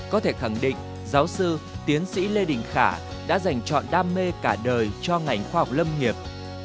có thể khẳng định giáo sư tiến sĩ lê đình khả đã dành chọn đam mê cả đời cho ngành khoa học lâm nghiệp